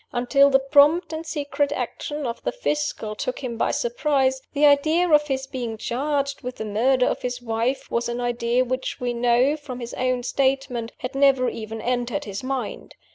Until the prompt and secret action of the Fiscal took him by surprise, the idea of his being charged with the murder of his wife was an idea which we know, from his own statement, had never even entered his mind.